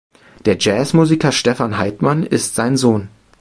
Der Jazzmusiker Stefan Heidtmann ist sein Sohn.